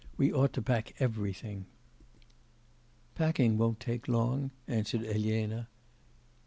We ought to pack everything.' 'Packing won't take long,' answered Elena.